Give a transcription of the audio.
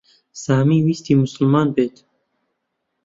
سامی ویستی موسڵمان ببێت.